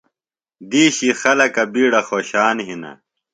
دِیشی خلکہ بِیڈہ خوشان ہِنہ۔